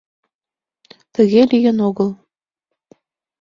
— Тыге лийын огыл.